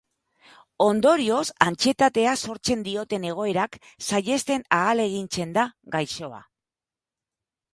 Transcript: Ondorioz, antsietatea sortzen dioten egoerak saihesten ahalegintzen da gaixoa.